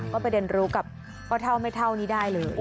ก็ไปเรียนรู้กับป้าเท่าไม่เท่านี้ได้เลย